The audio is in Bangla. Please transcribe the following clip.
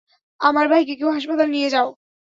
আমার ভাইকে কেউ হাসপাতালে নিয়ে যাও?